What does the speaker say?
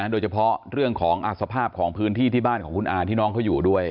โดยเฉพาะเรื่องของสภาพของพื้นที่ที่บ้านของคุณอาที่น้องเขาอยู่ด้วย